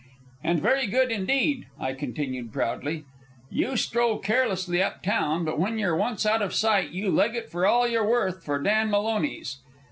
"And very good indeed," I continued proudly. "You stroll carelessly up town, but when you're once out of sight you leg it for all you're worth for Dan Maloney's.